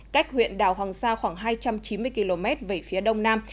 cách huyện đảo hoàng sa khoảng hai trăm chín mươi km về phía đông nam